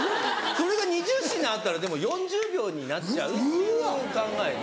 それが２０品あったら４０秒になっちゃうっていう考えで。